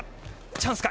チャンスか？